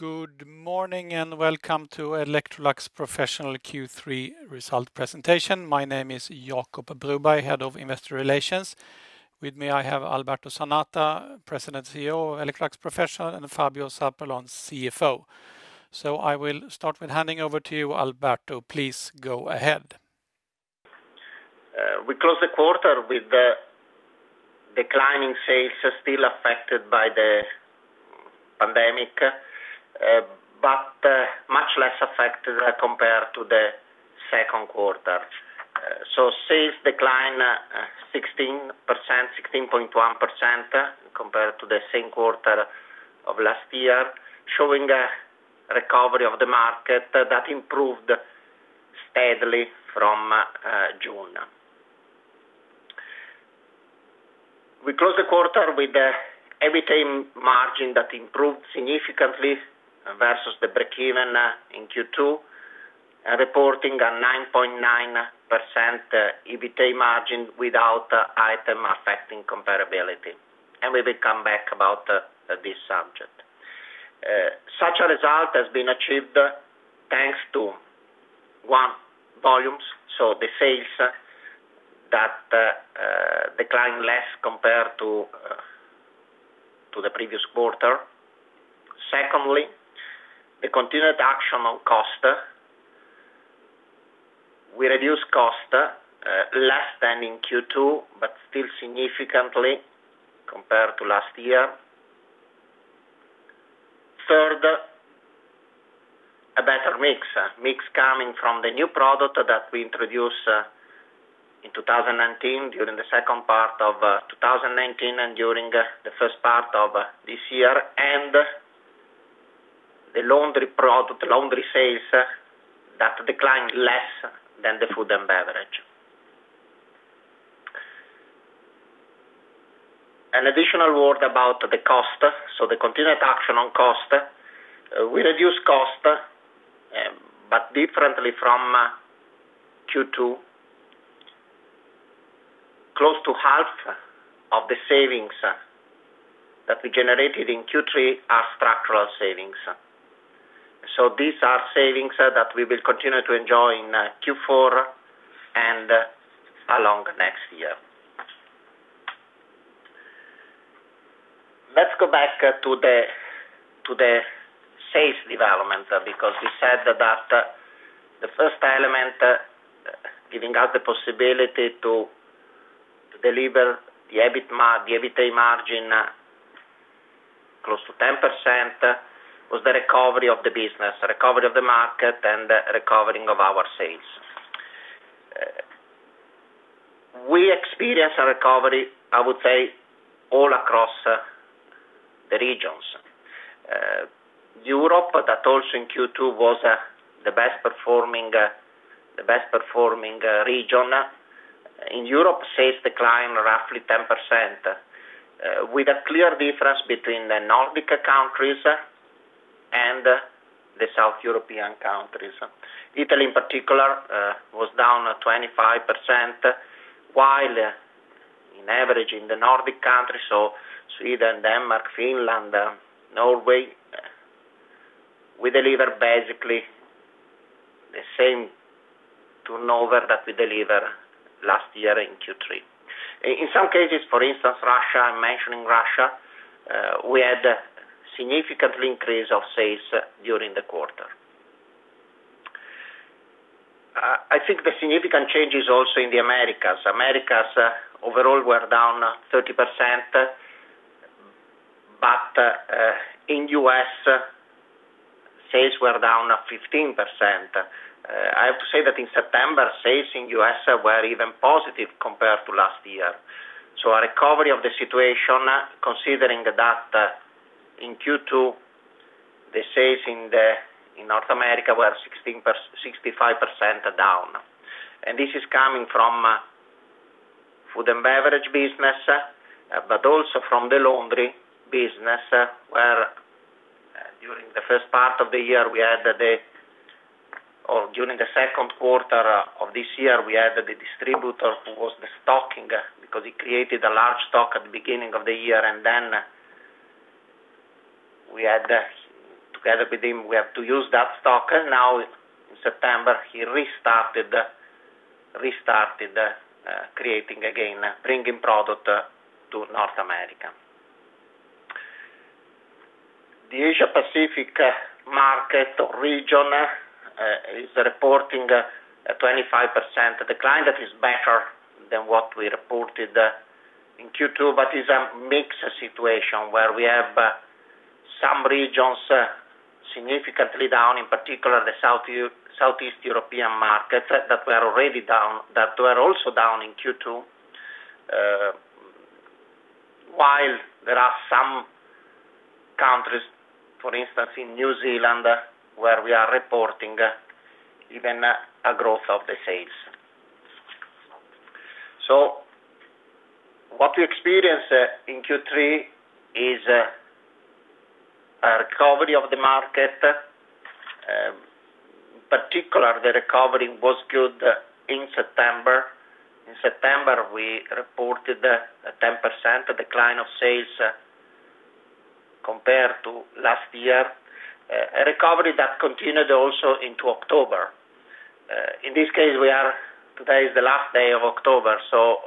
Good morning, and welcome to Electrolux Professional Q3 result presentation. My name is Jacob Broberg, Head of Investor Relations. With me, I have Alberto Zanata, President, CEO, Electrolux Professional, and Fabio Zarpellon, CFO. I will start with handing over to you, Alberto. Please go ahead. We closed the quarter with declining sales, still affected by the pandemic, but much less affected compared to the second quarter. Sales declined 16.1% compared to the same quarter of last year, showing a recovery of the market that improved steadily from June. We closed the quarter with the EBITA margin that improved significantly versus the breakeven in Q2, reporting a 9.9% EBITA margin without items affecting comparability. We will come back about this subject. Such a result has been achieved, thanks to one, volumes, so the sales that declined less compared to the previous quarter. Secondly, the continued action on cost. We reduced cost less than in Q2, but still significantly compared to last year. Third, a better mix. Mix coming from the new product that we introduced in 2019, during the second part of 2019, and during the first part of this year. The laundry product, laundry sales, that declined less than the Food & Beverage. An additional word about the cost, the continued action on cost. We reduced cost, differently from Q2. Close to half of the savings that we generated in Q3 are structural savings. These are savings that we will continue to enjoy in Q4 and along next year. Let's go back to the sales development, because we said that the first element, giving us the possibility to deliver the EBIT margin close to 10%, was the recovery of the business, the recovery of the market, and the recovering of our sales. We experienced a recovery, I would say, all across the regions. Europe, that also in Q2 was the best performing region. In Europe, sales declined roughly 10%, with a clear difference between the Nordic countries and the South European countries. Italy in particular, was down 25%, while in average in the Nordic countries, so Sweden, Denmark, Finland, Norway, we deliver basically the same turnover that we delivered last year in Q3. In some cases, for instance, Russia, I'm mentioning Russia, we had significant increase of sales during the quarter. I think the significant change is also in the Americas. In U.S., sales were down 15%. I have to say that in September, sales in U.S. were even positive compared to last year. A recovery of the situation, considering that in Q2, the sales in North America were 65% down. This is coming from Food & Beverage business, but also from the Laundry business, where during the second quarter of this year, we had the distributor who was destocking, because he created a large stock at the beginning of the year. Together with him, we have to use that stock. In September, he restarted creating again, bringing product to North America. The Asia-Pacific market region is reporting a 25% decline. That is better than what we reported in Q2, but is a mixed situation where we have some regions significantly down, in particular, the Southeast European markets that were also down in Q2. There are some countries, for instance, in New Zealand, where we are reporting even a growth of the sales. What we experienced in Q3 is a recovery of the market. The recovery was good in September. In September, we reported a 10% decline of sales compared to last year, a recovery that continued also into October. In this case, today is the last day of October, so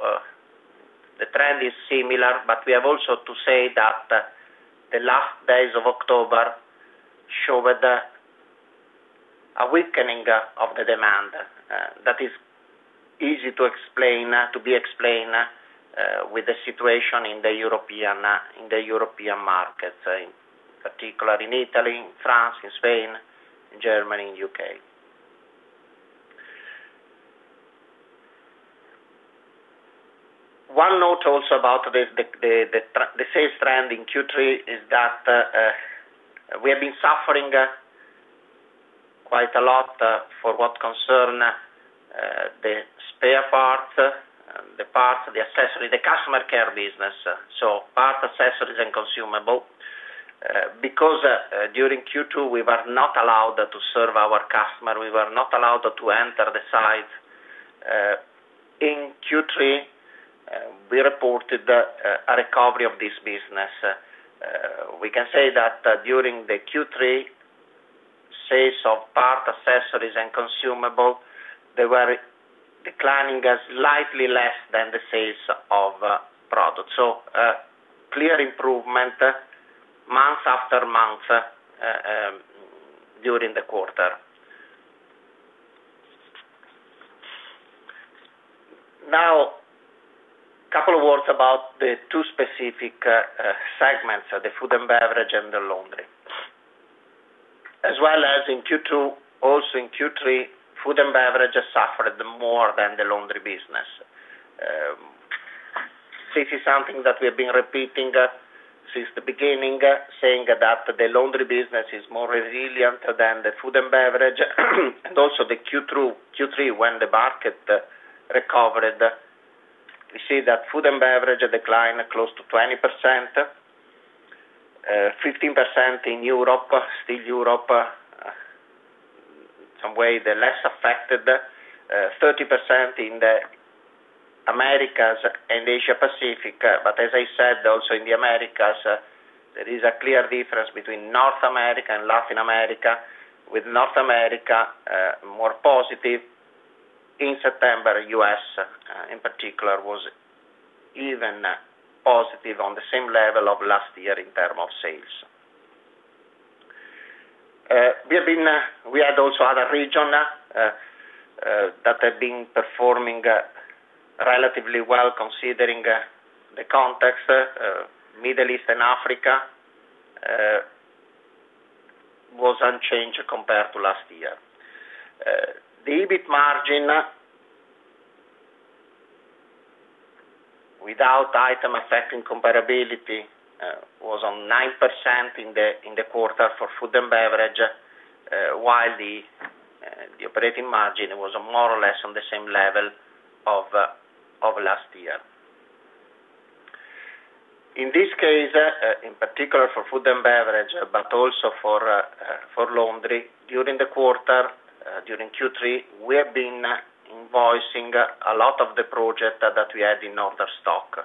the trend is similar, but we have also to say that the last days of October showed a weakening of the demand. That is easy to explain, with the situation in the European markets, in particular in Italy, in France, in Spain, in Germany, in U.K. One note also about the sales trend in Q3 is that we have been suffering quite a lot for what concern the spare parts, the accessories, the customer care business, so part accessories and consumable. During Q2, we were not allowed to serve our customer, we were not allowed to enter the site. In Q3, we reported a recovery of this business. We can say that during the Q3, sales of part accessories and consumable, they were declining as slightly less than the sales of product. Clear improvement month after month during the quarter. Now, couple of words about the two specific segments, the Food & Beverage and the Laundry. As well as in Q2, also in Q3, Food & Beverage suffered more than the Laundry business. This is something that we've been repeating since the beginning, saying that the Laundry business is more resilient than the Food & Beverage. Also the Q3, when the market recovered, we see that Food & Beverage decline close to 20%, 15% in Europe. Still Europe, some way, the less affected. 30% in the Americas and Asia Pacific. As I said, also in the Americas, there is a clear difference between North America and Latin America, with North America more positive. In September, U.S., in particular, was even positive on the same level of last year in terms of sales. We had also other region that had been performing relatively well, considering the context. Middle East and Africa was unchanged compared to last year. The EBIT margin, without items affecting comparability, was on 9% in the quarter for Food & Beverage, while the operating margin was more or less on the same level of last year. In this case, in particular for Food & Beverage, but also for Laundry, during the quarter, during Q3, we have been invoicing a lot of the project that we had in order stock.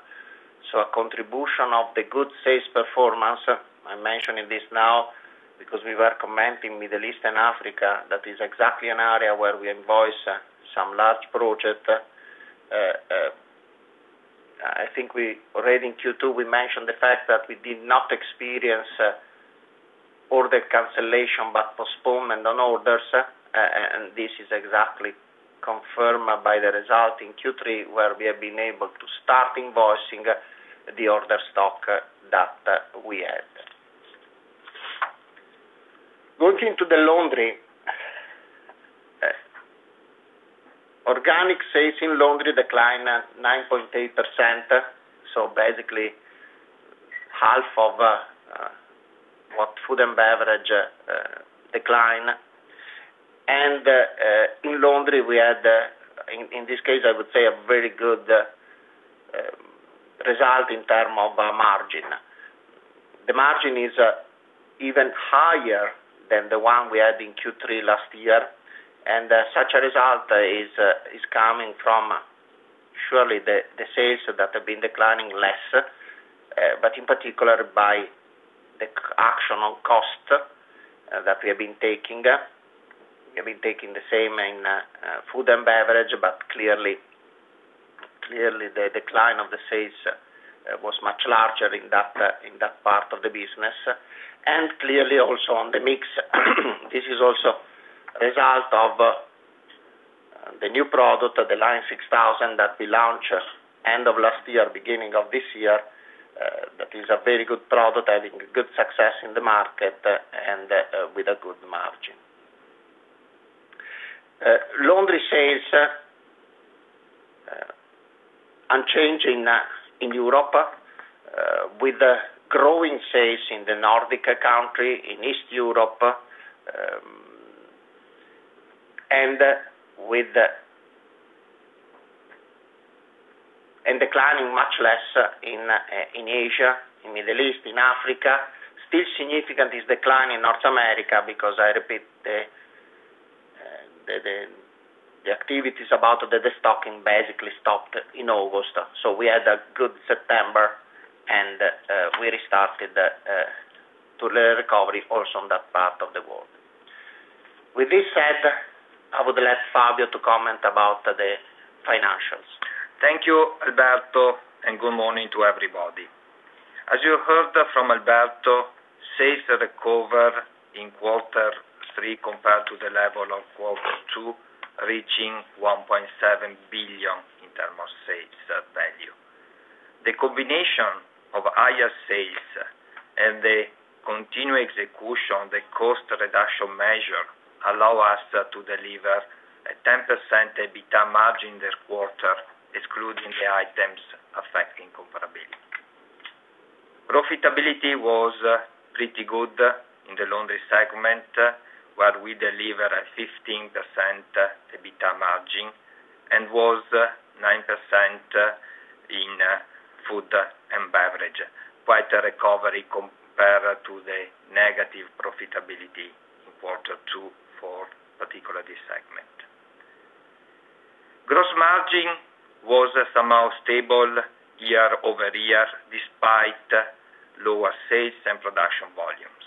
A contribution of the good sales performance, I'm mentioning this now because we were commenting Middle East and Africa, that is exactly an area where we invoice some large project. I think already in Q2, we mentioned the fact that we did not experience order cancellation, but postponement on orders. This is exactly confirmed by the result in Q3, where we have been able to start invoicing the order stock that we had. Going to the Laundry. Organic sales in Laundry declined 9.8%, basically half of what Food & Beverage decline. In Laundry, we had, in this case, I would say, a very good result in terms of margin. The margin is even higher than the one we had in Q3 last year, and such a result is coming from, surely the sales that have been declining less, but in particular by the action on cost that we have been taking. We have been taking the same in Food & Beverage, but clearly, the decline of the sales was much larger in that part of the business. Clearly also on the mix, this is also a result of the new product, the Line 6000, that we launched end of last year, beginning of this year. That is a very good product, having good success in the market and with a good margin. Laundry sales, unchanged in Europe, with growing sales in the Nordic country, in East Europe, and declining much less in Asia, in Middle East, in Africa. Still significant is decline in North America because, I repeat, the activities about the destocking basically stopped in August. We had a good September, and we restarted to the recovery also on that part of the world. With this said, I would let Fabio Zarpellon to comment about the financials. Thank you, Alberto, and good morning to everybody. As you heard from Alberto, sales recovered in quarter three compared to the level of quarter two, reaching 1.7 billion in terms of sales value. The combination of higher sales and the continued execution of the cost reduction measure allow us to deliver a 10% EBITA margin this quarter, excluding the items affecting comparability. Profitability was pretty good in the Laundry segment, where we deliver a 15% EBITA margin and was 9% in Food & Beverage. Quite a recovery compared to the negative profitability in quarter two for particularly this segment. Gross margin was somehow stable year-over-year, despite lower sales and production volumes.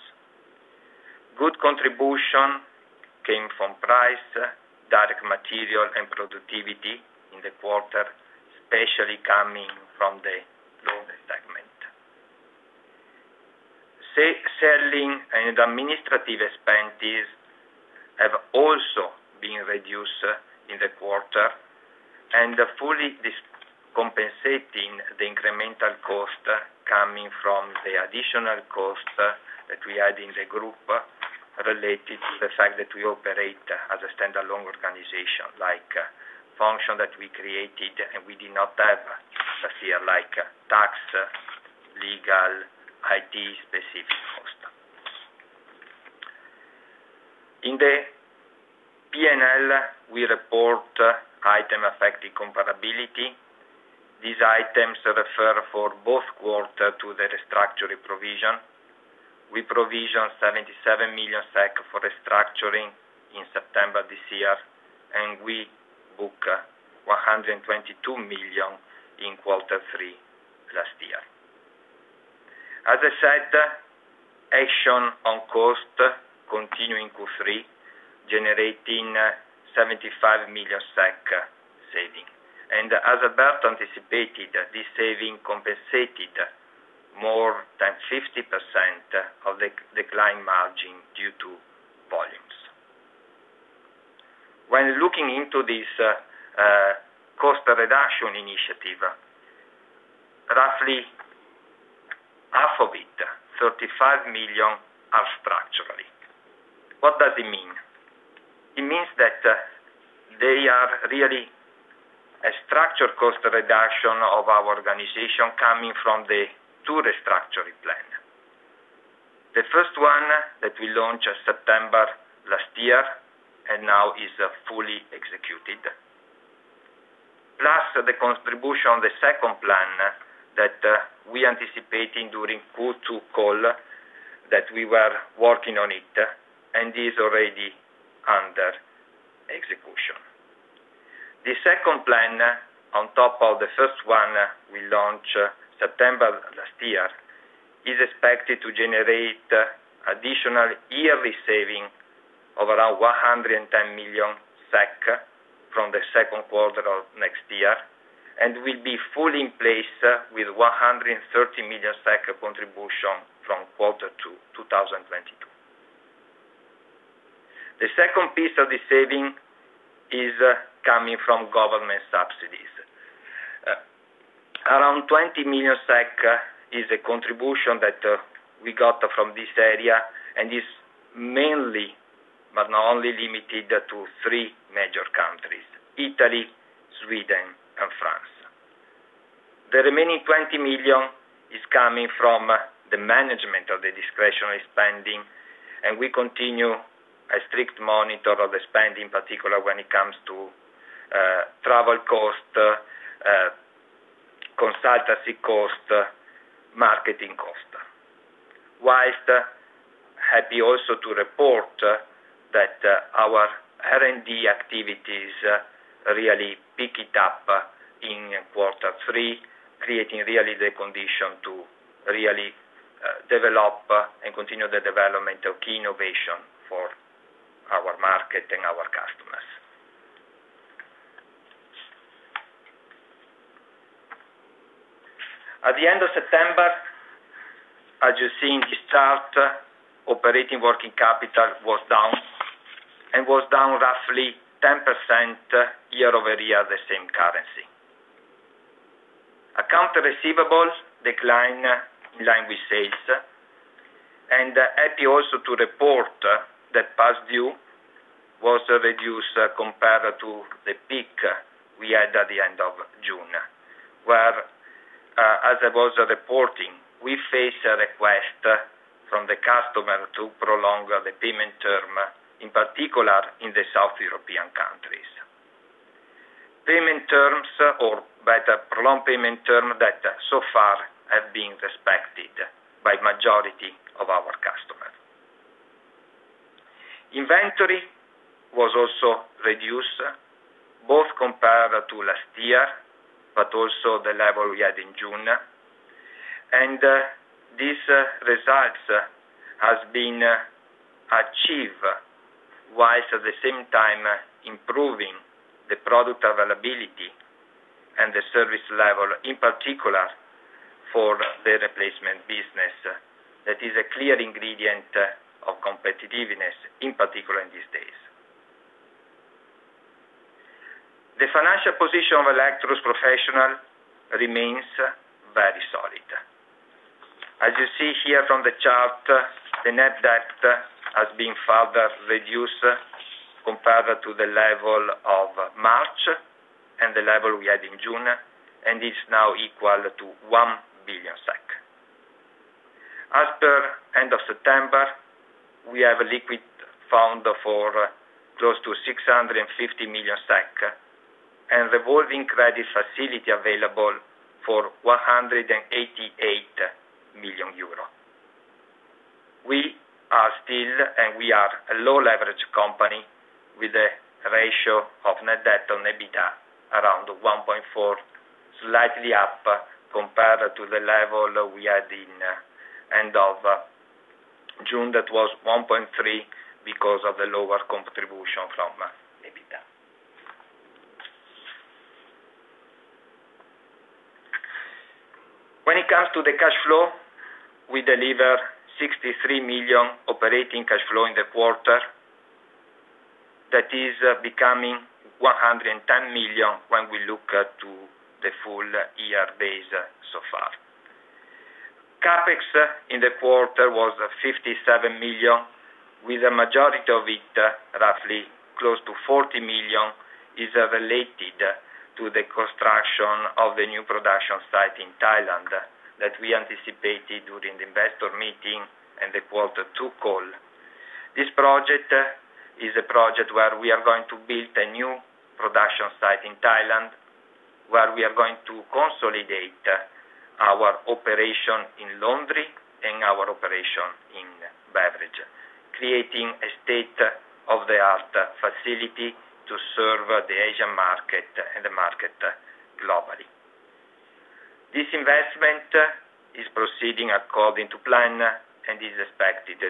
Good contribution came from price, direct material, and productivity in the quarter, especially coming from the Laundry segment. Selling and administrative expenses have also been reduced in the quarter, and fully compensating the incremental cost coming from the additional cost that we had in the group related to the fact that we operate as a standalone organization. Like function that we created and we did not have last year, like tax, legal, IT specific cost. In the P&L, we report items affecting comparability. These items refer for both quarter to the restructuring provision. We provisioned 77 million SEK for restructuring in September this year, and we book 122 million in Q3 last year. As I said, action on cost continue in Q3, generating 75 million saving. As Alberto anticipated, this saving compensated more than 50% of the decline margin due to volumes. When looking into this cost reduction initiative, roughly half of it, 35 million, are structural. What does it mean? It means that they are really a structure cost reduction of our organization coming from the two restructuring plans. The first one that we launched September last year and now is fully executed. Plus the contribution on the second plan that we were anticipating during Q2 call that we were working on it and is already under execution. The second plan on top of the first one we launched September last year, is expected to generate additional yearly savings of around 110 million SEK from the second quarter of next year, and will be fully in place with 130 million SEK contribution from quarter two 2022. The second piece of the savings is coming from government subsidies. Around EUR 20 million is a contribution that we got from this area, and is mainly, but not only, limited to three major countries, Italy, Sweden, and France. The remaining 20 million is coming from the management of the discretionary spending. We continue a strict monitor of the spend, in particular when it comes to travel cost, consultancy cost, marketing cost. Whilst happy also to report that our R&D activities really picked up in quarter three, creating really the condition to really develop and continue the development of key innovation for our market and our customers. At the end of September, as you see in this chart, operating working capital was down, was down roughly 10% year-over-year, the same currency. Accounts receivable decline in line with sales. Happy also to report that past due was reduced compared to the peak we had at the end of June, whereas I was reporting, we face a request from the customer to prolong the payment term, in particular in the South European countries. Payment terms, or better prolonged payment term, that so far have been respected by majority of our customers. Inventory was also reduced, both compared to last year, but also the level we had in June. These results has been achieved whilst at the same time improving the product availability and the service level, in particular for the replacement business. That is a clear ingredient of competitiveness, in particular in these days. The financial position of Electrolux Professional remains very solid. As you see here from the chart, the net debt has been further reduced compared to the level of March and the level we had in June, and is now equal to 1 billion SEK. After end of September, we have liquid fund for close to 650 million SEK and revolving credit facility available for 188 million euro. We are still, and we are a low leverage company with a ratio of net debt on EBITDA around 1.4, slightly up compared to the level we had in end of June. That was 1.3 because of the lower contribution from EBITA. When it comes to the cash flow, we deliver 63 million operating cash flow in the quarter. That is becoming 110 million when we look to the full year days so far. CapEx in the quarter was 57 million, with a majority of it, roughly close to 40 million, is related to the construction of the new production site in Thailand, that we anticipated during the investor meeting and the Quarter Two call. This project is a project where we are going to build a new production site in Thailand, where we are going to consolidate our operation in Laundry and our operation in Food & Beverage, creating a state-of-the-art facility to serve the Asian market and the market globally. This investment is proceeding according to plan and is expected to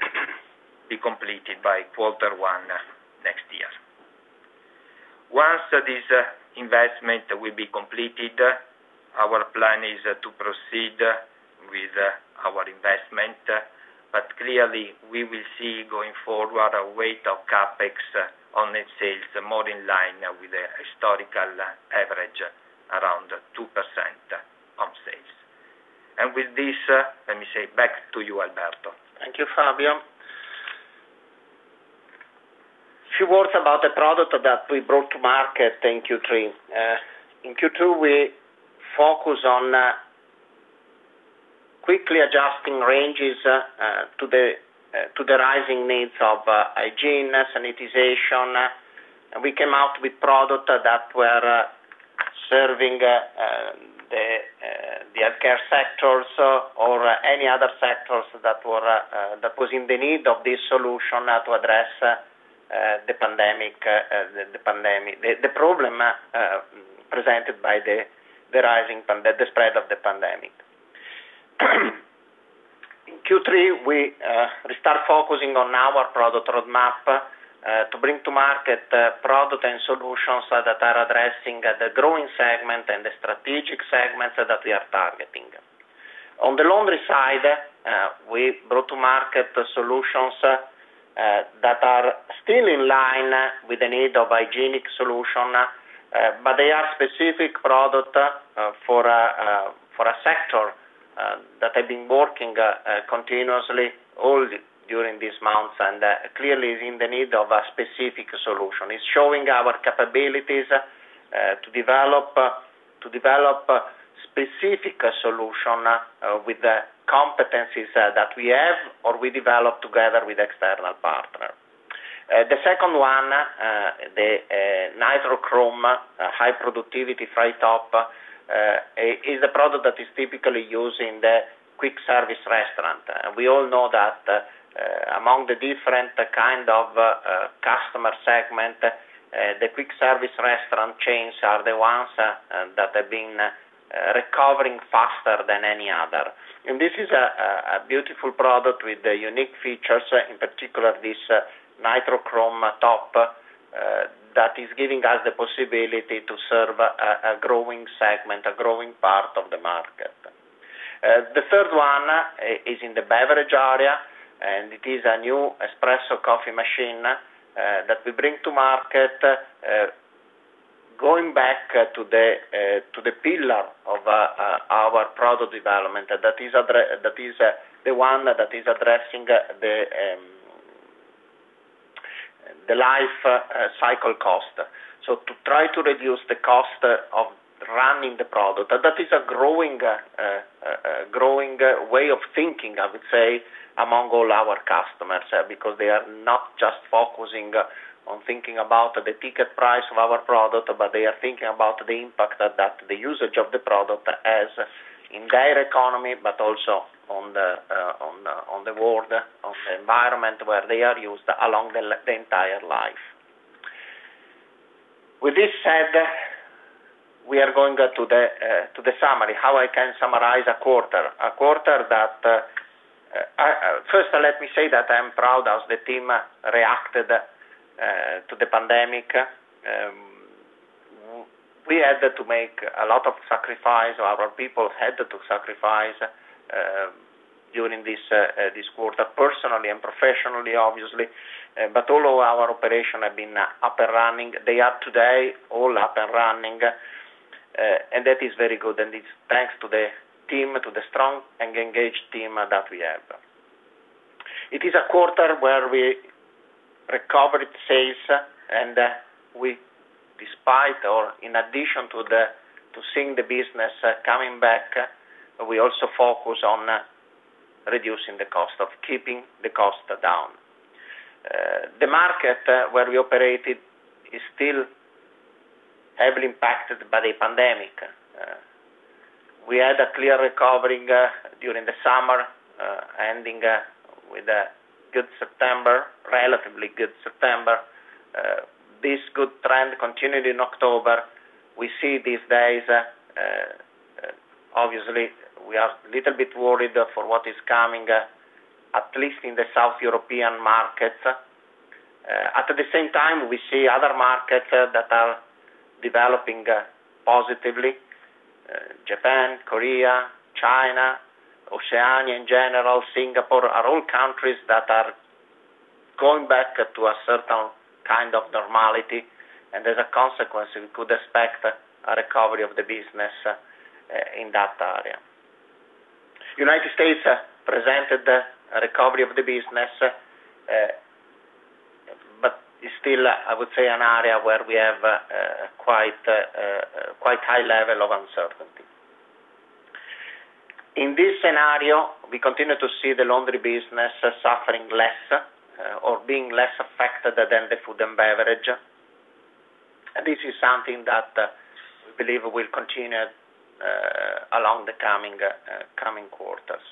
be completed by quarter one next year. Once this investment will be completed, our plan is to proceed with our investment, but clearly we will see going forward a weight of CapEx on net sales more in line with the historical average, around 2% of sales. With this, let me say back to you, Alberto. Thank you, Fabio. Few words about the product that we brought to market in Q3. In Q2, we focus on quickly adjusting ranges to the rising needs of hygiene, sanitization. We came out with product that were serving the healthcare sectors or any other sectors that was in the need of this solution to address the problem presented by the spread of the pandemic. In Q3, we start focusing on our product roadmap, to bring to market product and solutions that are addressing the growing segment and the strategic segments that we are targeting. On the Laundry side, we brought to market solutions that are still in line with the need of hygienic solution, but they are specific product for a sector that have been working continuously all during these months, and clearly is in the need of a specific solution. It's showing our capabilities to develop specific solution with the competencies that we have or we develop together with external partner. The second one, the NitroChrome high productivity fry top, is a product that is typically used in the quick service restaurant. We all know that among the different kind of customer segment, the quick service restaurant chains are the ones that have been recovering faster than any other. This is a beautiful product with the unique features, in particular this NitroChrome top, that is giving us the possibility to serve a growing segment, a growing part of the market. The third one is in the beverage area, and it is a new espresso coffee machine that we bring to market, going back to the pillar of our product development. That is the one that is addressing the life cycle cost. To try to reduce the cost of running the product. That is a growing way of thinking, I would say, among all our customers, because they are not just focusing on thinking about the ticket price of our product, but they are thinking about the impact that the usage of the product has in their economy, but also on the world, on the environment where they are used along the entire life. With this said, we are going to the summary, how I can summarize a quarter. First, let me say that I'm proud as the team reacted to the pandemic. We had to make a lot of sacrifice. Our people had to sacrifice during this quarter, personally and professionally, obviously. All of our operation have been up and running. They are today all up and running. That is very good, and it's thanks to the team, to the strong and engaged team that we have. We, despite or in addition to seeing the business coming back, we also focus on reducing the cost, of keeping the cost down. The market where we operated is still heavily impacted by the pandemic. We had a clear recovery during the summer, ending with a relatively good September. This good trend continued in October. We see these days, obviously, we are little bit worried for what is coming, at least in the South European market. At the same time, we see other markets that are developing positively. Japan, Korea, China, Oceania in general, Singapore, are all countries that are going back to a certain kind of normality. As a consequence, we could expect a recovery of the business in that area. United States presented a recovery of the business, but it's still, I would say, an area where we have a quite high level of uncertainty. In this scenario, we continue to see the Laundry business suffering less or being less affected than the Food & Beverage. This is something that we believe will continue along the coming quarters.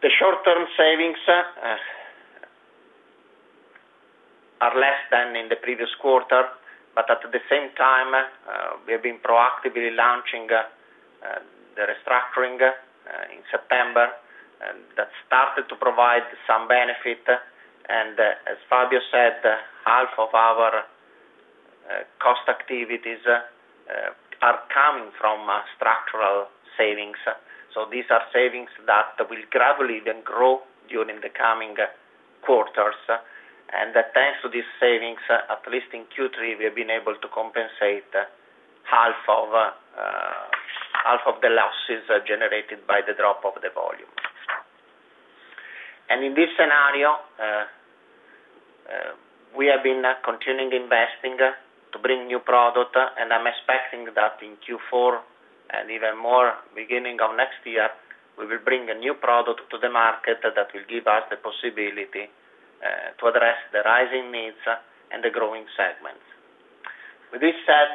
The short-term savings are less than in the previous quarter, but at the same time, we have been proactively launching the restructuring in September, and that started to provide some benefit. As Fabio said, half of our cost activities are coming from structural savings. These are savings that will gradually then grow during the coming quarters. Thanks to these savings, at least in Q3, we have been able to compensate half of the losses generated by the drop of the volume. In this scenario, we have been continuing investing to bring new product. I'm expecting that in Q4 and even more beginning of next year, we will bring a new product to the market that will give us the possibility to address the rising needs and the growing segments. With this said,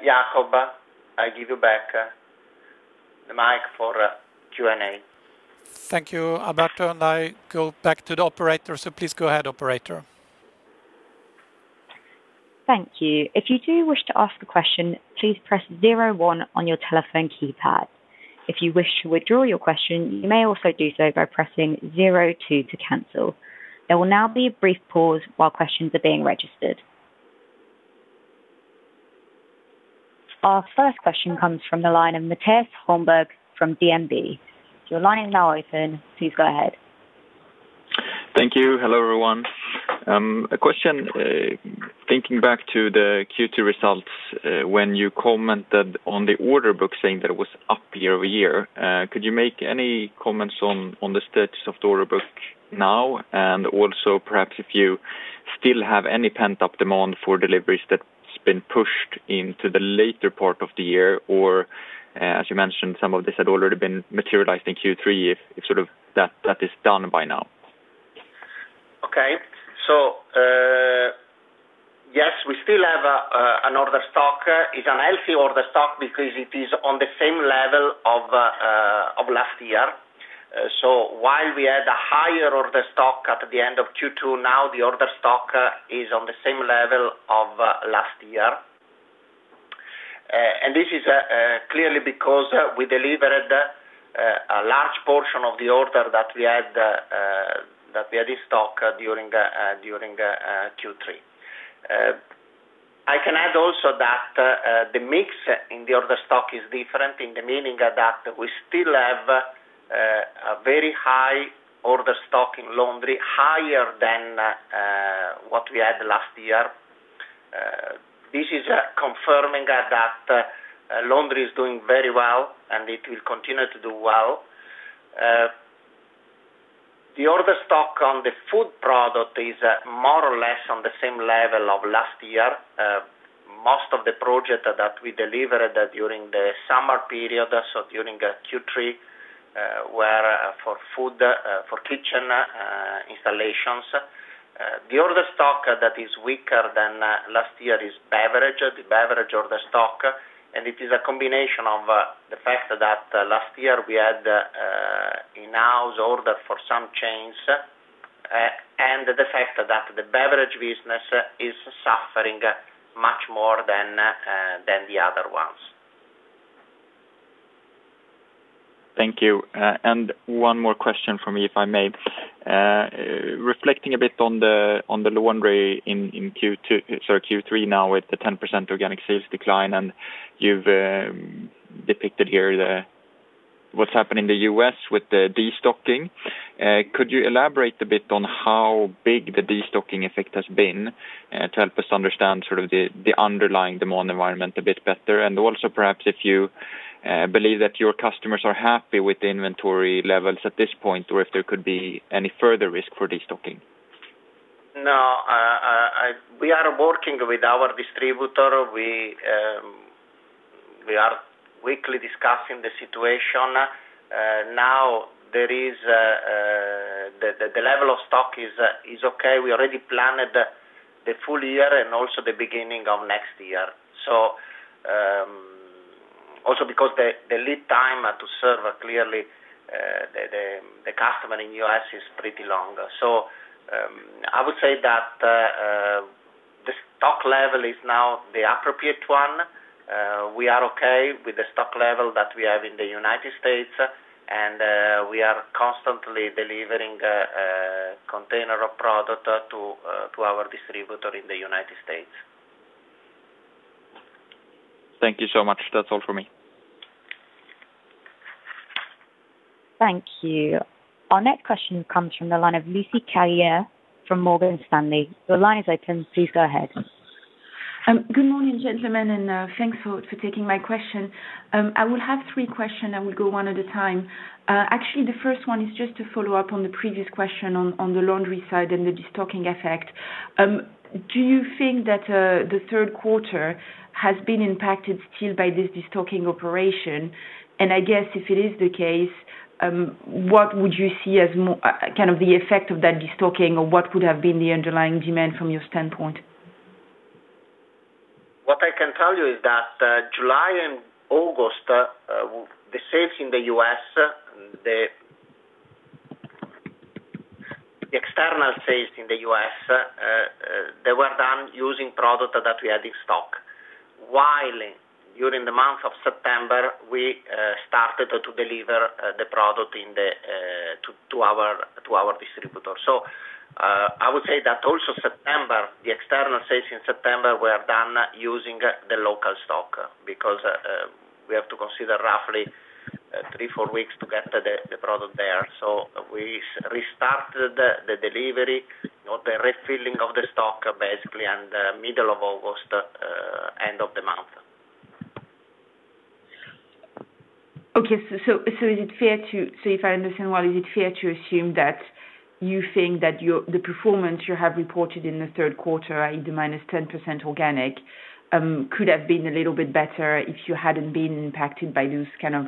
Jacob, I give you back the mic for Q&A. Thank you, Alberto. I go back to the operator. Please go ahead, operator. Thank you. If you do wish to ask a question, please press zero one on your telephone keypad. If you wish to withdraw your question, you may also do so by pressing zero two to cancel. There will now be a brief pause while questions are being registered. Our first question comes from the line of Mattias Holmberg from DNB. Your line is now open. Please go ahead. Thank you. Hello, everyone. A question, thinking back to the Q2 results, when you commented on the order book saying that it was up year-over-year, could you make any comments on the status of the order book now? Also, perhaps if you still have any pent-up demand for deliveries that's been pushed into the later part of the year, or as you mentioned, some of this had already been materialized in Q3, if that is done by now. Yes, we still have an order stock. It's a healthy order stock because it is on the same level of last year. While we had a higher order stock at the end of Q2, now the order stock is on the same level of last year. This is clearly because we delivered a large portion of the order that we had in stock during Q3. I can add also that the mix in the order stock is different in the meaning that we still have a very high order stock in Laundry, higher than what we had last year. This is confirming that Laundry is doing very well, and it will continue to do well. The order stock on the Food & Beverage is more or less on the same level of last year. Most of the project that we delivered during the summer period, so during Q3, were for kitchen installations. The order stock that is weaker than last year is beverage, the beverage order stock. It is a combination of the fact that last year we had in-house order for some chains, and the fact that the beverage business is suffering much more than the other ones. Thank you. One more question from me, if I may. Reflecting a bit on the Laundry in Q3 now, with the 10% organic sales decline, and you've depicted here what's happening in the U.S. with the de-stocking. Could you elaborate a bit on how big the de-stocking effect has been to help us understand sort of the underlying demand environment a bit better? Also perhaps if you believe that your customers are happy with the inventory levels at this point, or if there could be any further risk for de-stocking. No. We are working with our distributor. We are weekly discussing the situation. The level of stock is okay. We already planned the full year and also the beginning of next year. Because the lead time to serve clearly, the customer in U.S. is pretty long. I would say that the stock level is now the appropriate one. We are okay with the stock level that we have in the United States, and we are constantly delivering a container of product to our distributor in the United States. Thank you so much. That's all for me. Thank you. Our next question comes from the line of Lucie Carrier from Morgan Stanley. Your line is open, please go ahead. Good morning, gentlemen, and thanks for taking my question. I will have 3 questions. I will go one at a time. Actually, the first one is just to follow up on the previous question on the Laundry side and the de-stocking effect. Do you think that the third quarter has been impacted still by this de-stocking operation? I guess if it is the case, what would you see as kind of the effect of that de-stocking or what could have been the underlying demand from your standpoint? What I can tell you is that July and August, the external sales in the U.S., they were done using product that we had in stock. During the month of September, we started to deliver the product to our distributor. I would say that also September, the external sales in September were done using the local stock, because we have to consider roughly three, four weeks to get the product there. We restarted the delivery or the refilling of the stock, basically in the middle of August, end of the month. Okay. If I understand well, is it fair to assume that you think that the performance you have reported in the third quarter, the -10% organic, could have been a little bit better if you hadn't been impacted by those kind of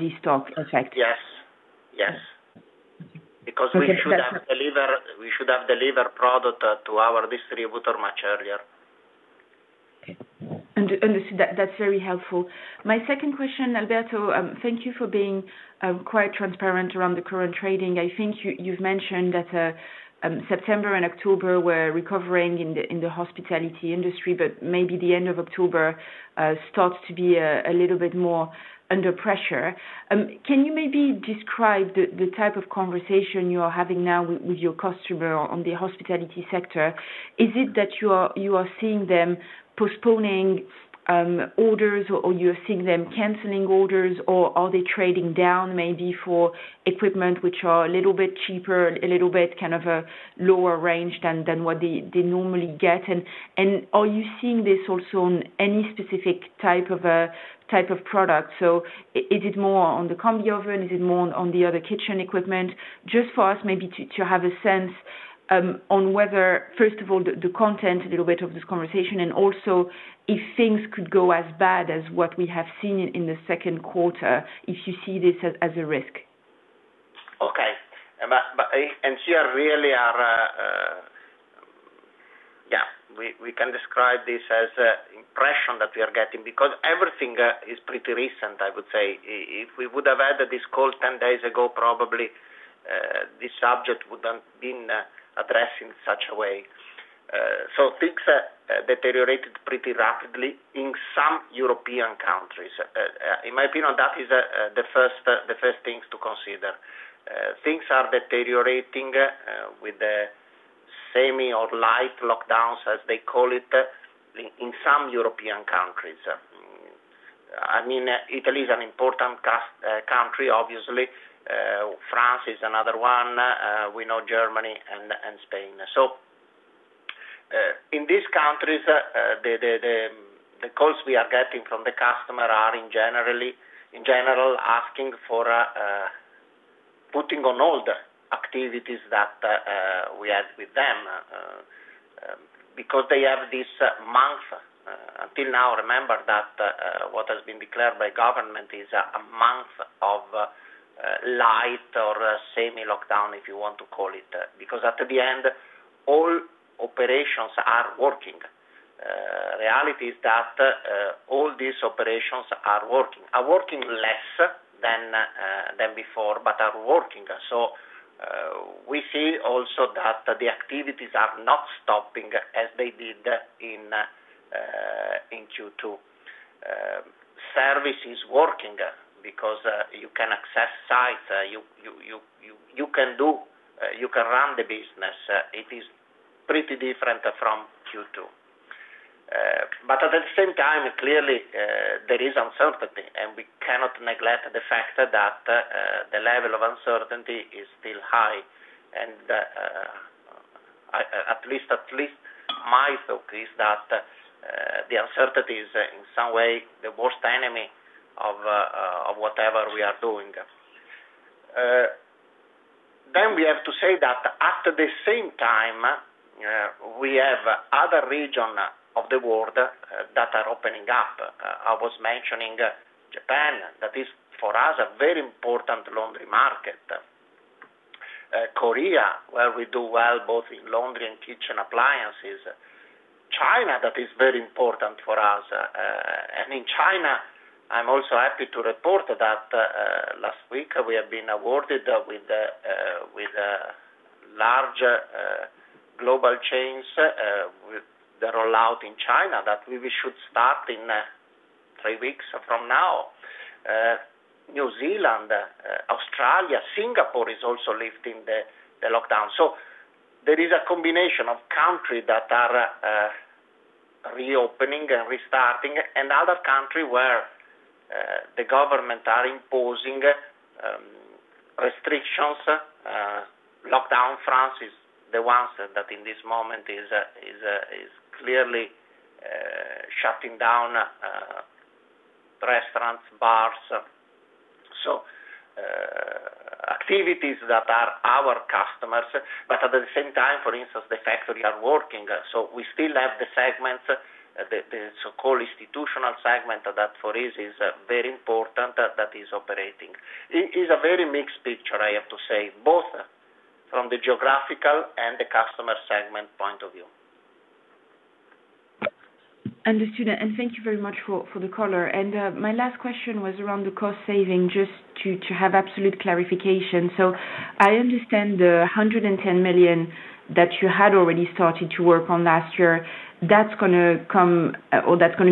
de-stock effect? Yes. Okay. We should have delivered product to our distributor much earlier. Understood. That's very helpful. My second question, Alberto, thank you for being quite transparent around the current trading. I think you've mentioned that September and October were recovering in the hospitality industry, but maybe the end of October starts to be a little bit more under pressure. Can you maybe describe the type of conversation you are having now with your customer on the hospitality sector? Is it that you are seeing them postponing orders, or you are seeing them canceling orders, or are they trading down maybe for equipment which are a little bit cheaper, a little bit kind of a lower range than what they normally get, and are you seeing this also on any specific type of product? Is it more on the Combi Oven? Is it more on the other kitchen equipment? Just for us maybe to have a sense on whether, first of all, the content a little bit of this conversation, and also if things could go as bad as what we have seen in the second quarter, if you see this as a risk? Okay, we can describe this as impression that we are getting, because everything is pretty recent, I would say. If we would have had this call 10 days ago, probably, this subject wouldn't been addressed in such a way. Things deteriorated pretty rapidly in some European countries. In my opinion, that is the first things to consider. Things are deteriorating with the semi or light lockdowns, as they call it, in some European countries. Italy is an important country, obviously. France is another one. We know Germany and Spain. In these countries, the calls we are getting from the customer are in general, asking for putting on hold activities that we had with them, because they have this month. Until now, remember that what has been declared by government is a month of light or semi-lockdown, if you want to call it. At the end, all operations are working. Reality is that all these operations are working. Are working less than before, but are working. We see also that the activities are not stopping as they did in Q2. Service is working because you can access site. You can run the business. It is pretty different from Q2. At the same time, clearly, there is uncertainty, and we cannot neglect the fact that the level of uncertainty is still high. At least my thought is that the uncertainty is, in some way, the worst enemy of whatever we are doing. We have to say that at the same time, we have other region of the world that are opening up. I was mentioning Japan, that is, for us, a very important Laundry market. Korea, where we do well both in Laundry and kitchen appliances. China, that is very important for us. In China, I'm also happy to report that last week we have been awarded with a large global chains with the rollout in China that we should start in three weeks from now. New Zealand, Australia, Singapore is also lifting the lockdown. There is a combination of country that are reopening and restarting, and other country where the government are imposing restrictions, lockdown. France is the ones that in this moment is clearly shutting down restaurants, bars. Activities that are our customers, but at the same time, for instance, the factory are working. We still have the segment, the so-called institutional segment that for is very important, that is operating. It is a very mixed picture, I have to say, both from the geographical and the customer segment point of view. Understood. Thank you very much for the color. My last question was around the cost saving, just to have absolute clarification. I understand the 110 million that you had already started to work on last year, that's going to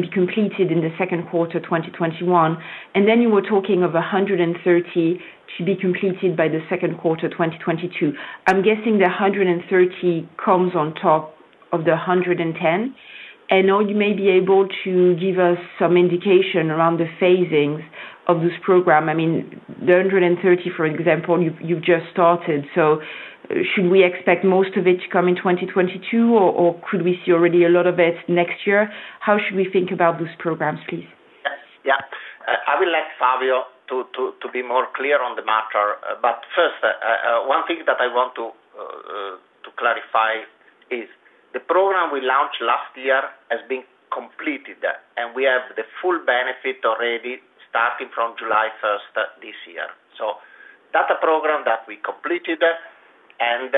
be completed in the second quarter 2021. Then you were talking of 130 to be completed by the second quarter 2022. I'm guessing the 130 comes on top of the 110. I know you may be able to give us some indication around the phasings of this program. I mean, the 130, for example, you've just started, so should we expect most of it to come in 2022, or could we see already a lot of it next year? How should we think about those programs, please? Yes. I will let Fabio to be more clear on the matter. First, one thing that I want to clarify is the program we launched last year has been completed, and we have the full benefit already starting from July 1st this year. That program that we completed, and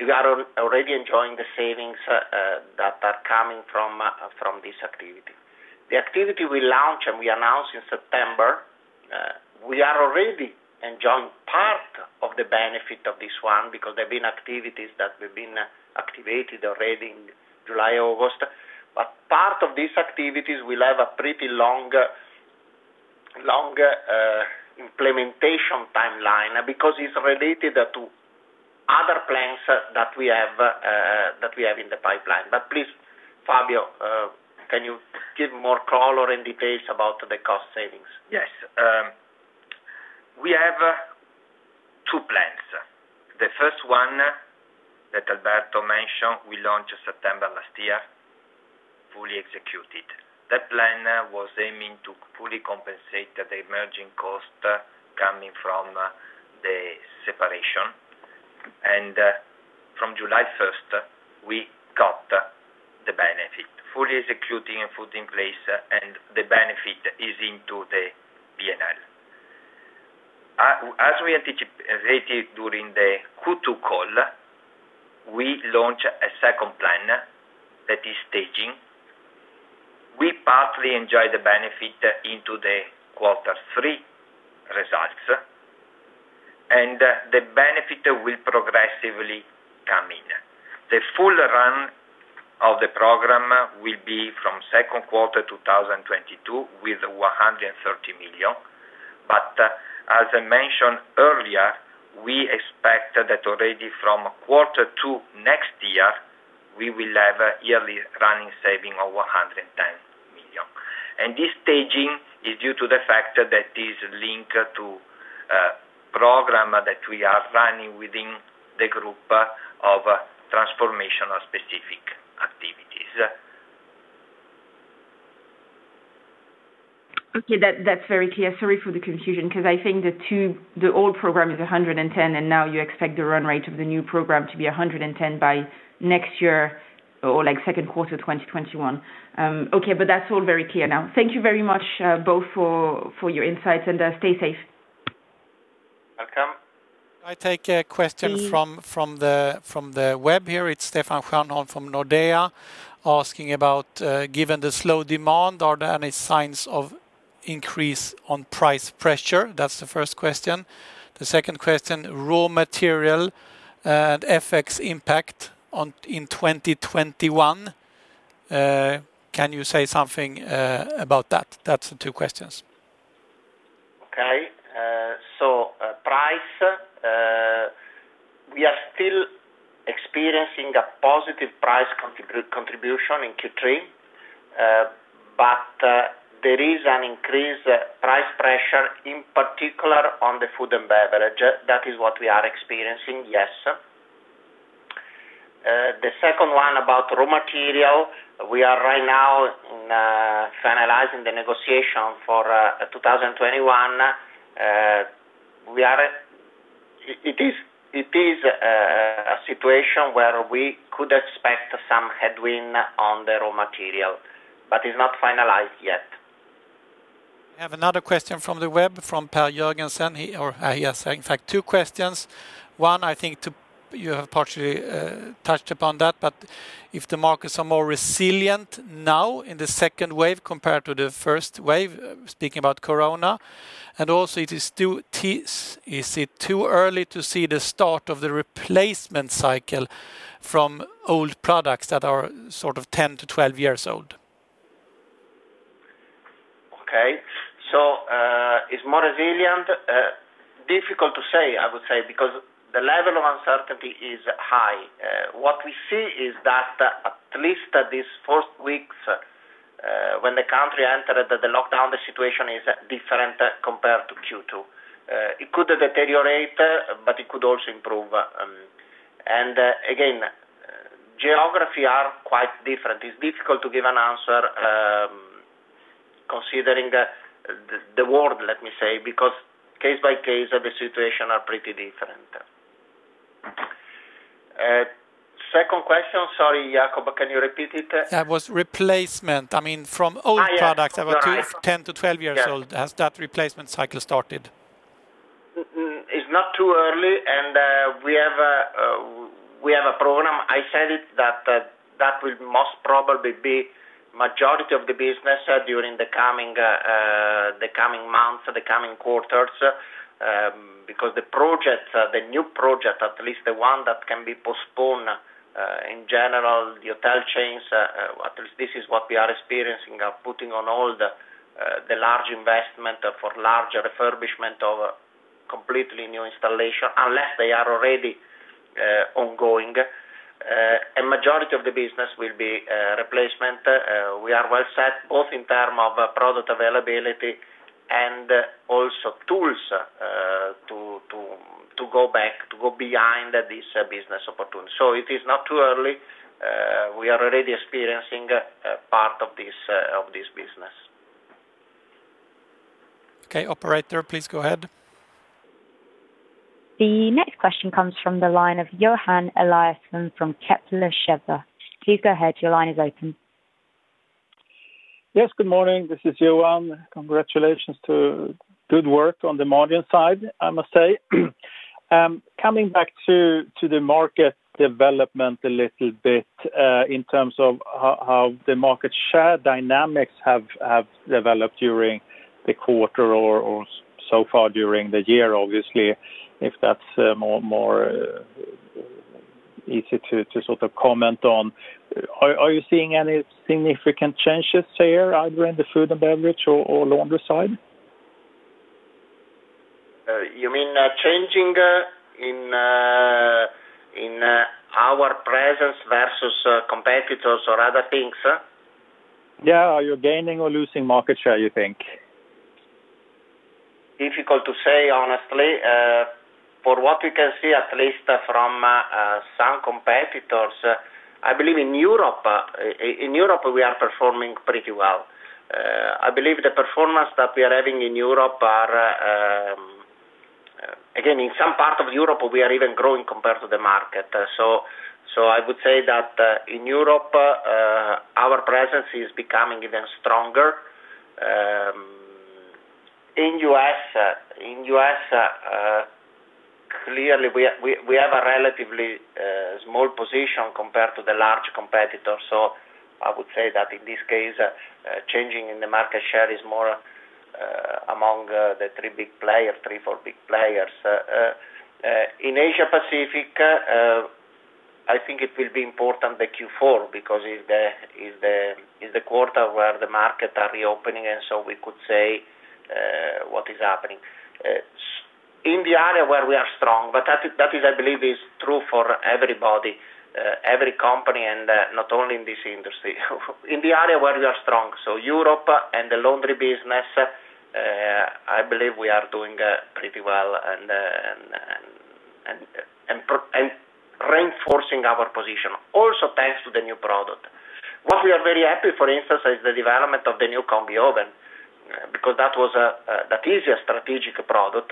we are already enjoying the savings that are coming from this activity. The activity we launch and we announce in September, we are already enjoying part of the benefit of this one because there have been activities that we've been activated already in July, August. Part of these activities will have a pretty long implementation timeline because it's related to other plans that we have in the pipeline. Please, Fabio, can you give more color and details about the cost savings? Yes. We have two plans. The first one that Alberto mentioned, we launched September last year, fully executed. That plan was aiming to fully compensate the emerging cost coming from the separation. From July 1st, we got the benefit, fully executing and put in place, and the benefit is into the P&L. As we anticipated during the Q2 call, we launch a second plan that is staging. We partly enjoy the benefit into the quarter three results, and the benefit will progressively come in. The full run of the program will be from second quarter 2022 with 130 million. As I mentioned earlier, we expect that already from quarter two next year, we will have a yearly running saving of 110 million. This staging is due to the fact that is linked to a program that we are running within the group of transformational specific activities. Okay. That's very clear. Sorry for the confusion because I think the old program is 110, and now you expect the run rate of the new program to be 110 by next year or second quarter 2021. Okay, that's all very clear now. Thank you very much, both, for your insights and stay safe. Welcome. I take a question from the web here. It's Stefan Kvarnholm from Nordea asking about, given the slow demand, are there any signs of increase on price pressure? That's the first question. The second question, raw material and FX impact in 2021. Can you say something about that? That's the two questions. Price, we are still experiencing a positive price contribution in Q3, there is an increased price pressure, in particular on the Food & Beverage. That is what we are experiencing, yes. The second one about raw material. We are right now finalizing the negotiation for 2021. It is a situation where we could expect some headwind on the raw material, it's not finalized yet. We have another question from the web, from Per Jörgensen. He has, in fact, two questions. One, I think you have partially touched upon that, but if the markets are more resilient now in the second wave compared to the first wave, speaking about Corona, and also is it too early to see the start of the replacement cycle from old products that are 10-12 years old? Okay. It's more resilient. Difficult to say, I would say, because the level of uncertainty is high. What we see is that at least these first weeks, when the country entered the lockdown, the situation is different compared to Q2. It could deteriorate, it could also improve. Again, geography are quite different. It's difficult to give an answer considering the world, let me say, because case by case, the situation are pretty different. Second question, sorry, Jacob, can you repeat it? That was replacement. I mean, from old products. Yes. No worries. that were 10-12 years old. Has that replacement cycle started? It's not too early. We have a program. I said it, that will most probably be majority of the business during the coming months, the coming quarters. The projects, the new project, at least the one that can be postponed, in general, the hotel chains, at least this is what we are experiencing, are putting on hold the large investment for large refurbishment of completely new installation unless they are already ongoing. A majority of the business will be replacement. We are well set, both in terms of product availability and also tools to go behind this business opportunity. It is not too early. We are already experiencing part of this business. Okay, operator, please go ahead. The next question comes from the line of Johan Eliason from Kepler Cheuvreux. Please go ahead. Your line is open. Yes, good morning. This is Johan. Congratulations to good work on the margin side, I must say. Coming back to the market development a little bit in terms of how the market share dynamics have developed during the quarter or so far during the year, obviously, if that's more easy to comment on. Are you seeing any significant changes there, either in the Food & Beverage or Laundry side? You mean changing in our presence versus competitors or other things? Yeah. Are you gaining or losing market share, you think? Difficult to say, honestly. For what we can see, at least from some competitors, I believe in Europe, we are performing pretty well. I believe the performance that we are having in Europe, again, in some parts of Europe, we are even growing compared to the market. I would say that in Europe, our presence is becoming even stronger. In the U.S., clearly we have a relatively small position compared to the large competitors. I would say that in this case, changing in the market share is more among the three big players, three, four big players. In Asia Pacific, I think it will be important the Q4, because it's the quarter where the markets are reopening, we could say what is happening. In the area where we are strong, that is, I believe, is true for everybody, every company and not only in this industry. In the area where we are strong, Europe and the Laundry business, I believe we are doing pretty well and reinforcing our position, also thanks to the new product. What we are very happy, for instance, is the development of the new Combi Oven, because that is a strategic product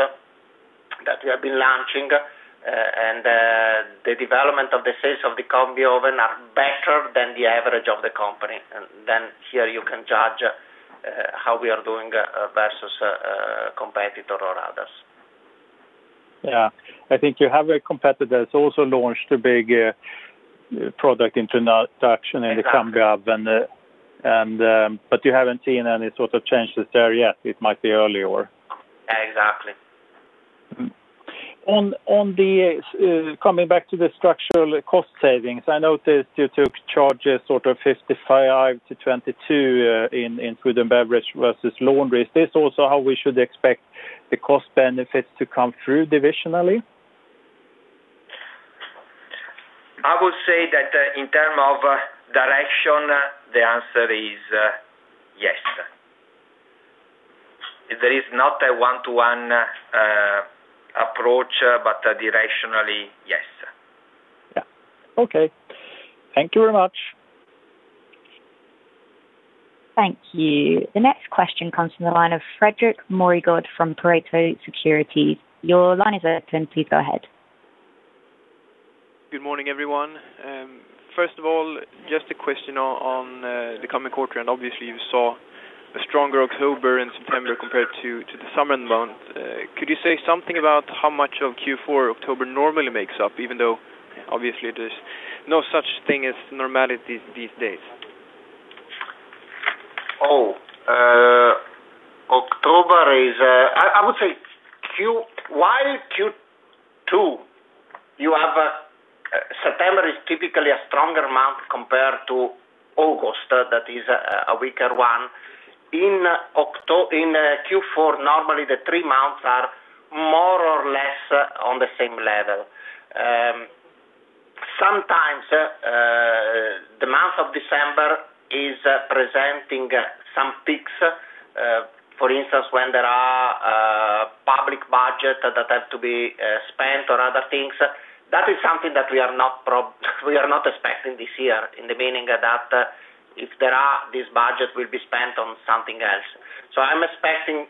that we have been launching, the development of the sales of the Combi Oven are better than the average of the company. Here you can judge how we are doing versus a competitor or others. I think you have a competitor that's also launched a big product introduction in the Combi Oven. Exactly. You haven't seen any sort of changes there yet. It might be earlier. Exactly. Coming back to the structural cost savings, I noticed you took charges sort of 55-22 in Food & Beverage versus Laundry. Is this also how we should expect the cost benefits to come through divisionally? I would say that in terms of direction, the answer is yes. There is not a one-to-one approach, but directionally, yes. Yeah. Okay. Thank you very much. Thank you. The next question comes from the line of Fredrik Moregard from Pareto Securities. Your line is open. Please go ahead. Good morning, everyone. First of all, just a question on the coming quarter, and obviously you saw a stronger October and September compared to the summer months. Could you say something about how much of Q4 October normally makes up, even though obviously there's no such thing as normality these days? October is I would say while Q2, September is typically a stronger month compared to August, that is a weaker one. In Q4, normally the three months are more or less on the same level. Sometimes, the month of December is presenting some peaks, for instance, when there are public budgets that have to be spent on other things. That is something that we are not expecting this year, in the meaning that if there are, this budget will be spent on something else. Historically,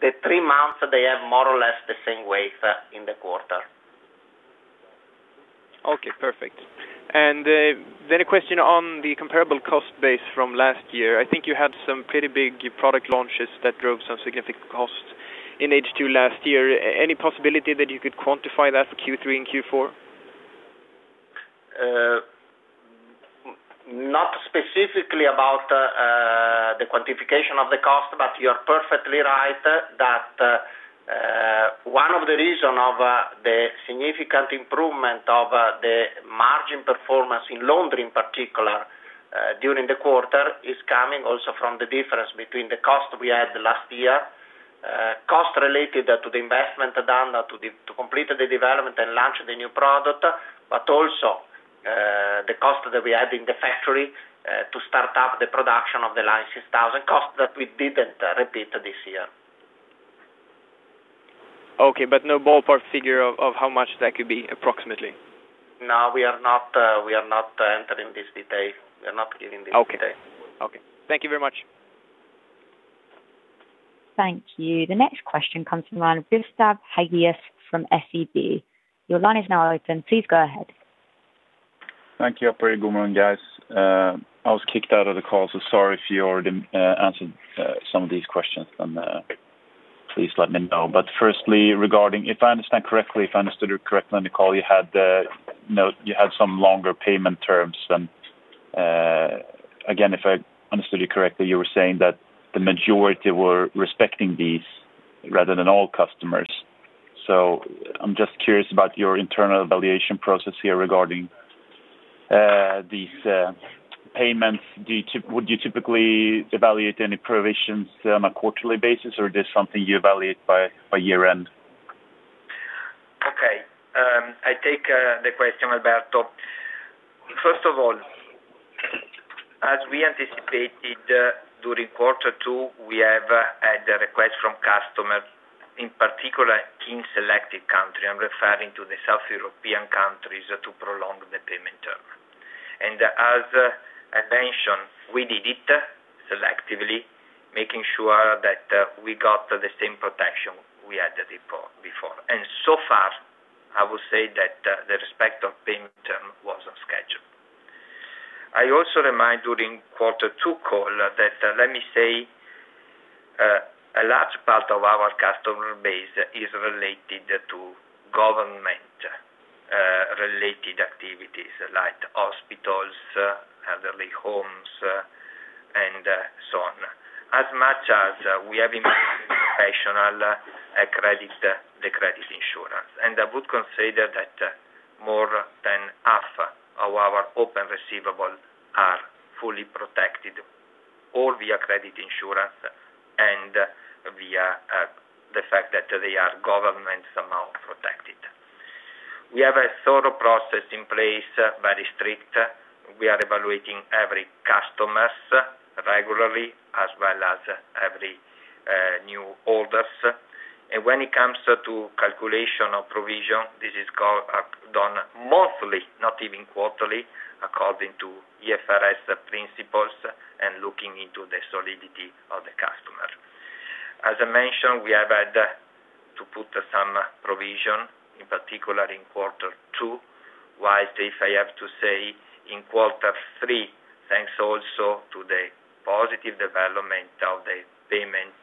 the three months, they have more or less the same weight in the quarter. Okay, perfect. A question on the comparable cost base from last year. I think you had some pretty big product launches that drove some significant costs in H2 last year. Any possibility that you could quantify that for Q3 and Q4? Not specifically about the quantification of the costs, you are perfectly right that one of the reasons of the significant improvement of the margin performance in Laundry, in particular, during the quarter, is coming also from the difference between the costs we had last year, costs related to the investment done to complete the development and launch the new product, but also the costs that we had in the factory, to start up the production of the Line 6000, costs that we didn't repeat this year. Okay. No ballpark figure of how much that could be approximately? No, we are not entering this detail. We are not giving this detail. Okay. Thank you very much. Thank you. The next question comes from the line of Kristab Hageus from SEB. Thank you, operator. Good morning, guys. I was kicked out of the call, so sorry if you already answered some of these questions, then please let me know. Firstly, regarding, if I understand correctly, if I understood correctly on the call, you had some longer payment terms than, again, if I understood you correctly, you were saying that the majority were respecting these rather than all customers. I'm just curious about your internal evaluation process here regarding these payments. Would you typically evaluate any provisions on a quarterly basis, or is this something you evaluate by year-end? Okay. I take the question, Alberto. First of all, as we anticipated during quarter two, we have had a request from customers, in particular in selected country. I'm referring to the Southeast European markets to prolong the payment term. As I mentioned, we did it selectively, making sure that we got the same protection we had before. So far, I would say that the respect of payment term was on schedule. I also remind during quarter two call that, let me say, a large part of our customer base is related to government-related activities like hospitals, elderly homes So on. As much as we have invested in professional credit, the credit insurance. I would consider that more than half of our open receivables are fully protected, all via credit insurance and via the fact that they are government somehow protected. We have a thorough process in place, very strict. We are evaluating every customer regularly, as well as every new order. When it comes to calculation of provision, this is done monthly, not even quarterly, according to IFRS principles and looking into the solidity of the customer. As I mentioned, we have had to put some provision, in particular in quarter two, whilst if I have to say, in quarter three, thanks also to the positive development of the payment,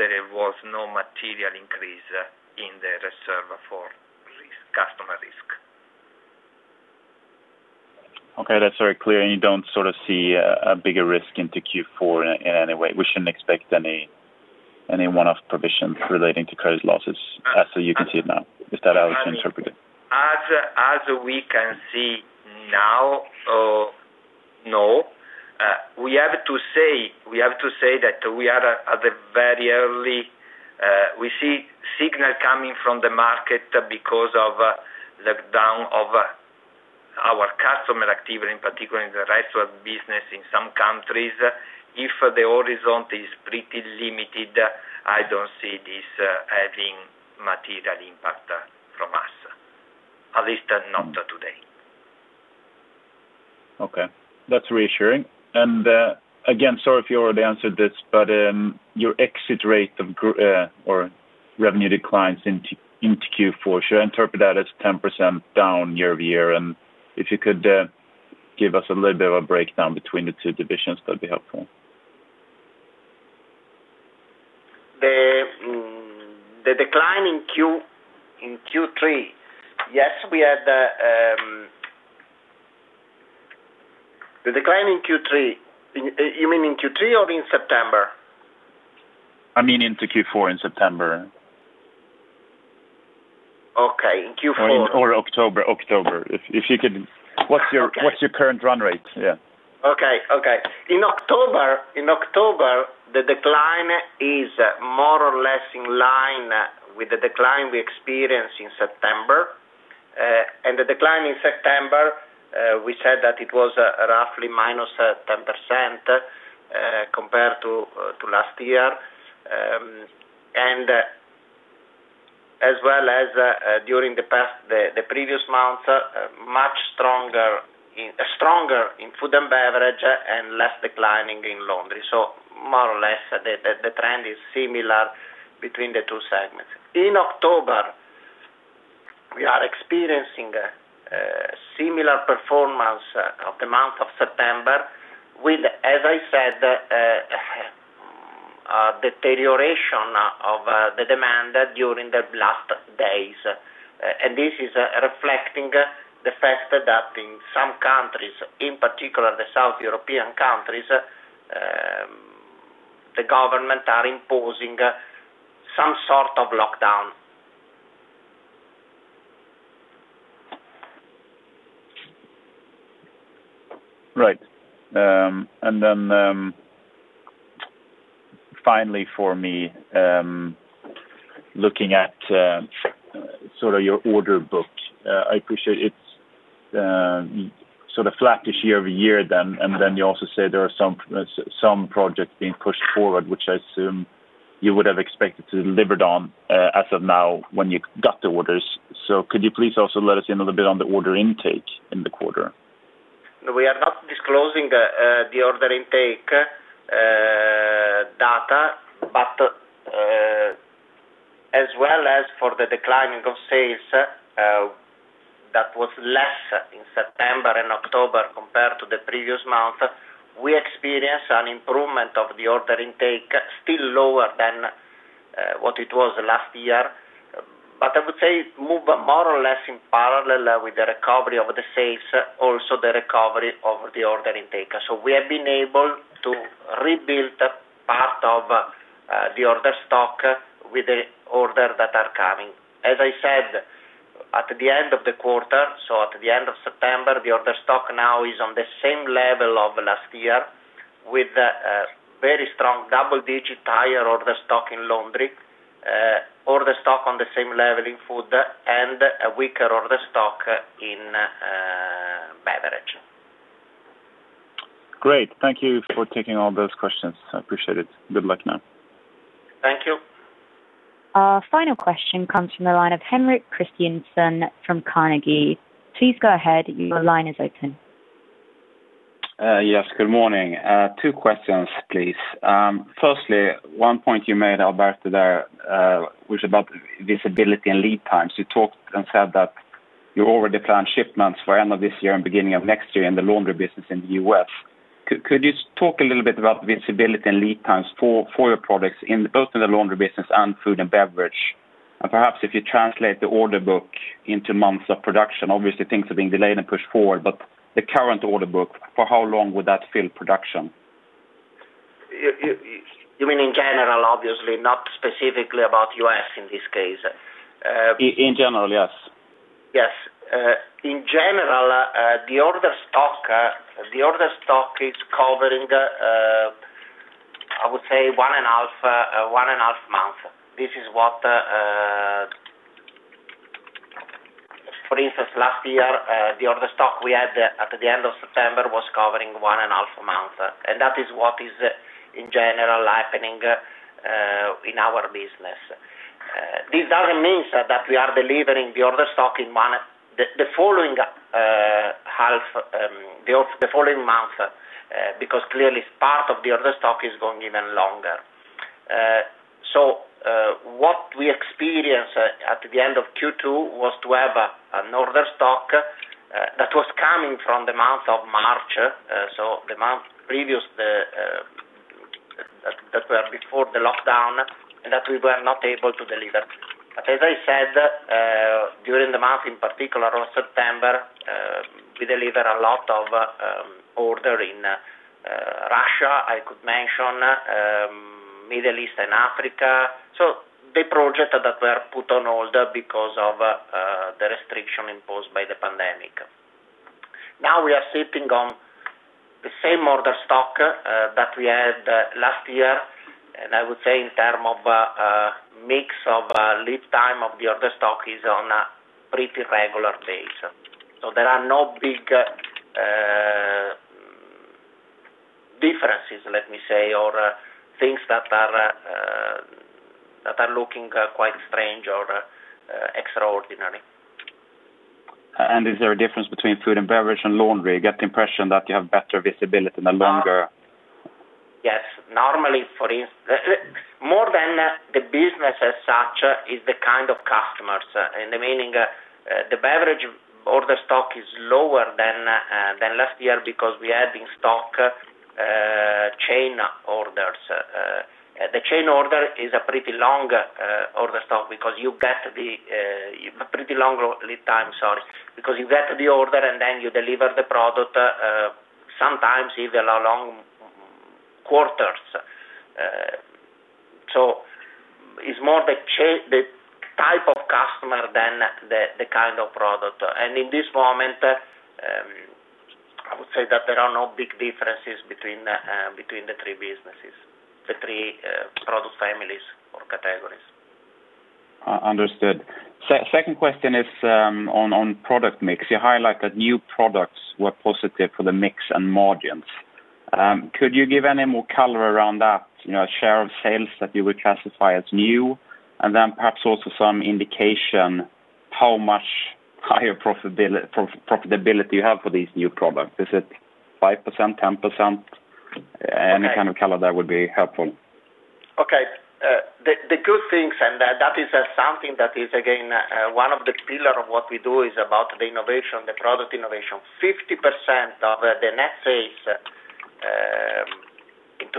there was no material increase in the reserve for customer risk. Okay, that's very clear. You don't sort of see a bigger risk into Q4 in any way? We shouldn't expect any one-off provisions relating to credit losses as you can see it now? Is that how it's interpreted? As we can see now, no. We have to say that we see signals coming from the market because of the down of our customer activity, in particular in the restaurant business in some countries. If the horizon is pretty limited, I don't see this having material impact from us, at least not today. Okay. That's reassuring. Again, sorry if you already answered this, but your exit rate of revenue declines into Q4. Should I interpret that as 10% down year-over-year? If you could give us a little bit of a breakdown between the two divisions, that'd be helpful. The decline in Q3. You mean in Q3 or in September? I mean into Q4 in September. Okay. In Q4- October. What's your current run rate? Yeah. Okay. In October, the decline is more or less in line with the decline we experienced in September. The decline in September, we said that it was roughly -10% compared to last year. As well as during the previous months, much stronger in Food & Beverage and less declining in Laundry. More or less, the trend is similar between the two segments. In October, we are experiencing a similar performance of the month of September with, as I said, a deterioration of the demand during the last days. This is reflecting the fact that in some countries, in particular the South European countries, the government are imposing some sort of lockdown. Right. Finally for me, looking at sort of your order book. I appreciate it's sort of flattish year-over-year then, and then you also say there are some projects being pushed forward, which I assume you would have expected to deliver on as of now when you got the orders. Could you please also let us in a little bit on the order intake in the quarter? We are not disclosing the order intake data. As well as for the declining of sales that was less in September and October compared to the previous month, we experienced an improvement of the order intake, still lower than what it was last year. I would say move more or less in parallel with the recovery of the sales, also the recovery of the order intake. We have been able to rebuild part of the order stock with the orders that are coming. As I said, at the end of the quarter, at the end of September, the order stock now is on the same level of last year, with a very strong double-digit higher order stock in Laundry. Order stock on the same level in Food, and a weaker order stock in Beverage. Great. Thank you for taking all those questions. I appreciate it. Good luck now. Thank you. Our final question comes from the line of Henrik Christiansson from Carnegie. Please go ahead. Your line is open. Yes, good morning. Two questions, please. Firstly, one point you made, Alberto, there, which about visibility and lead times. You talked and said that you already planned shipments for end of this year and beginning of next year in the Laundry Business in the U.S. Could you talk a little bit about visibility and lead times for your products in both the Laundry Business and Food & Beverage? Perhaps if you translate the order book into months of production, obviously things are being delayed and pushed forward, but the current order book, for how long would that fill production? You mean in general, obviously, not specifically about U.S. in this case? In general, yes. Yes. In general, the order stock is covering, I would say one and a half months. For instance, last year, the order stock we had at the end of September was covering one and a half months. That is what is in general happening in our business. This doesn't mean that we are delivering the order stock the following month, because clearly part of the order stock is going even longer. What we experienced at the end of Q2 was to have an order stock that was coming from the month of March, so the month before the lockdown, and that we were not able to deliver. As I said, during the month in particular of September, we delivered a lot of order in Russia, I could mention, Middle East and Africa. The projects that were put on hold because of the restriction imposed by the pandemic. Now we are sitting on the same order stock that we had last year, and I would say in terms of mix of lead time of the order stock is on a pretty regular pace. There are no big differences, let me say, or things that are looking quite strange or extraordinary. Is there a difference between Food & Beverage and Laundry? I get the impression that you have better visibility the longer Yes. More than the business as such is the kind of customers. In the meaning, the beverage order stock is lower than last year because we had in stock chain orders. The chain order is a pretty long order stock because you get the pretty long lead time, sorry, because you get the order and then you deliver the product, sometimes even along quarters. It's more the type of customer than the kind of product. In this moment, I would say that there are no big differences between the 3 businesses, the 3 product families or categories. Understood. Second question is on product mix. You highlight that new products were positive for the mix and margins. Could you give any more color around that? Share of sales that you would classify as new, and then perhaps also some indication how much higher profitability you have for these new products. Is it 5%, 10%? Any kind of color there would be helpful. Okay. The good things, and that is something that is, again, one of the pillar of what we do is about the innovation, the product innovation. 50% of the net sales in 2019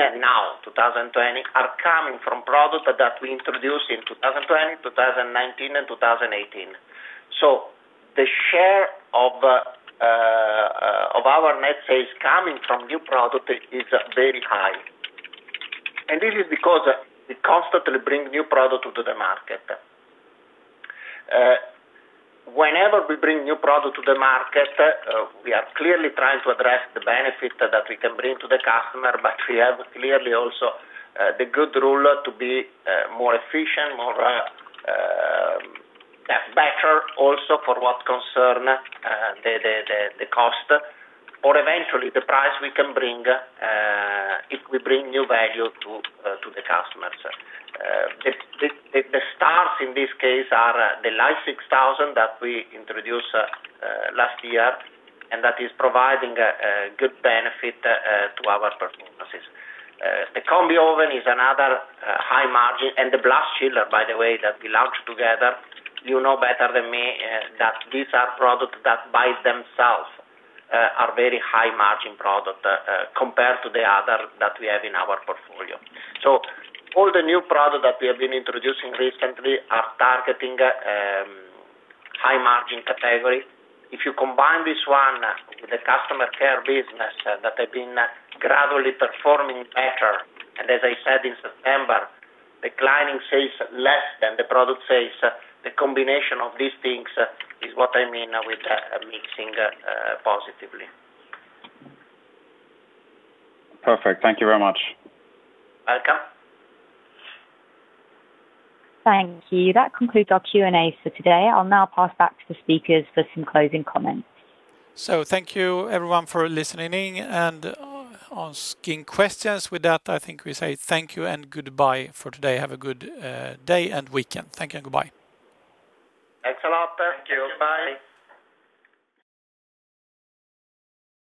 and now 2020 are coming from products that we introduced in 2020, 2019, and 2018. The share of our net sales coming from new product is very high. This is because we constantly bring new product to the market. Whenever we bring new product to the market, we are clearly trying to address the benefit that we can bring to the customer, but we have clearly also the good rule to be more efficient, more better also for what concern the cost, or eventually the price we can bring if we bring new value to the customers. The stars in this case are the Line 6000 that we introduced last year, and that is providing a good benefit to our performances. The Combi Oven is another high margin, and the Blast Chiller, by the way, that we launched together, you know better than me that these are products that by themselves are very high margin product compared to the other that we have in our portfolio. All the new products that we have been introducing recently are targeting high margin category. If you combine this one with the customer care business that have been gradually performing better, and as I said in September, declining sales less than the product sales, the combination of these things is what I mean with mixing positively. Perfect. Thank you very much. Welcome. Thank you. That concludes our Q&A for today. I'll now pass back to the speakers for some closing comments. Thank you everyone for listening and asking questions. With that, I think we say thank you and goodbye for today. Have a good day and weekend. Thank you and goodbye. Thanks a lot. Thank you. Bye.